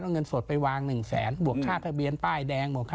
เอาเงินสดไปวางหนึ่งแสนอุโยค่าทะเบียนป้ายแดง